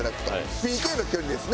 ＰＫの距離ですね。